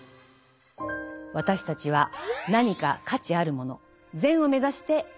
私たちは何か価値あるもの「善」を目指して行動している。